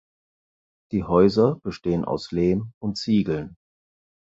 Die Häuser bestehen aus Lehm und Ziegeln.